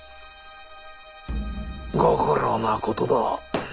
ご苦労なことだ。